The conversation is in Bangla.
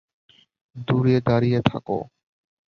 দূরে দাঁড়িয়ে থাকে।